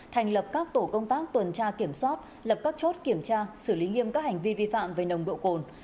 thành lập các tổ công tác tuần tra kiểm soát lập các chốt kiểm tra xử lý nghiêm các hành vi vi phạm về nồng độ cồn